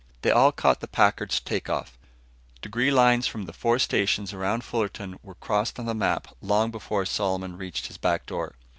They all caught the Packard's takeoff. Degree lines from the four stations around Fullerton were crossed on the map long before Solomon reached his back door.